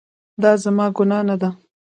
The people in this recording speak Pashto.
دا زما ګناه نه ده